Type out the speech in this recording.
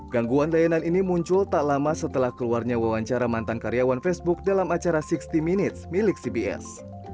gangguan layanan ini muncul tak lama setelah keluarnya wawancara mantan karyawan facebook dalam acara enam puluh minutes milik cbs